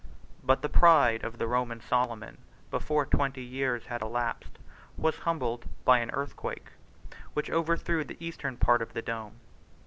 104 But the pride of the Roman Solomon, before twenty years had elapsed, was humbled by an earthquake, which overthrew the eastern part of the dome.